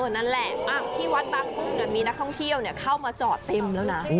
นั่นแหละที่วัดบางกุ้งมีนักท่องเที่ยวเข้ามาจอดเต็มแล้วนะ